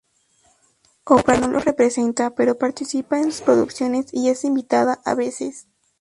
Oprah no los presenta, pero participa en sus producciones y es invitada a veces.